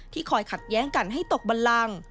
คอยขัดแย้งกันให้ตกบันลัง